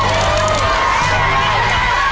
เยี่ยม